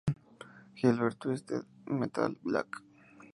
Gilbert en Twisted Metal: Black.